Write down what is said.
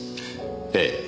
ええ。